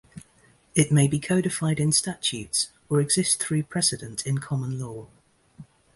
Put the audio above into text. It may be codified in statutes or exist through precedent in common law.